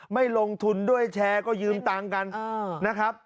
ไม่ลงทุนด้วยแชร์ก็ยืมตังค์กันนะครับ